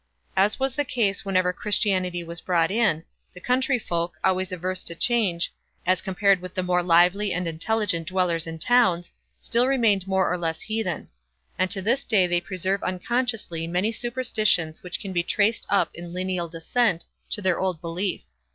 As was the case whenever Christianity was brought in, the country folk, always averse to change, as compared with the more lively and intelligent dwellers in towns, still remained more or less heathen, and to this day they preserve unconsciously many superstitions which can be traced up in lineal descent to their old belief.